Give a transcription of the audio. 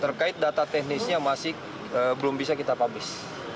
terkait data teknisnya masih belum bisa kita publish